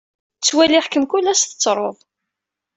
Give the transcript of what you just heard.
Ttwaliɣ-kem kullas tettruḍ.